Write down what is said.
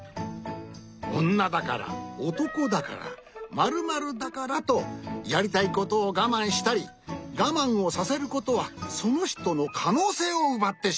おんなだからおとこだから○○だからとやりたいことをがまんしたりがまんをさせることはそのひとのかのうせいをうばってしまう。